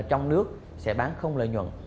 trong nước sẽ bán không lợi nhuận